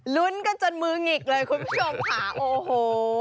ลุ้นกันจนมือหงิกเลยคุณผู้ชมค่ะโอ้โห